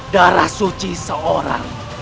darah suci seorang